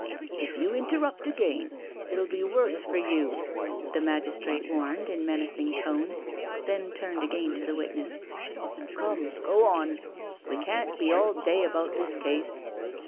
" If you interrupt again it will be the worse for you," the magistrate warned in menacing tones, then turned again to the witness: " Come, go on— we can't be all day about this case."